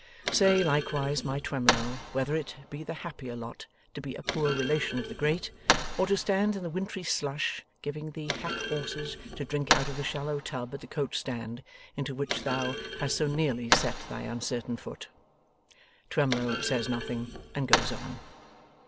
Say likewise, my Twemlow, whether it be the happier lot to be a poor relation of the great, or to stand in the wintry slush giving the hack horses to drink out of the shallow tub at the coach stand, into which thou has so nearly set thy uncertain foot. Twemlow says nothing, and goes on.